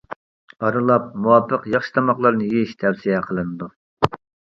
ئارىلاپ مۇۋاپىق ياخشى تاماقلارنى يېيىش تەۋسىيە قىلىنىدۇ.